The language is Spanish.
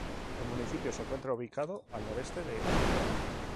El municipio se encuentra ubicado al noreste de Apure.